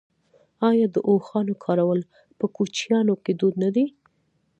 آیا د اوښانو کارول په کوچیانو کې دود نه دی؟